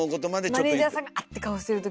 マネージャーさんが「あ！」って顔してる時。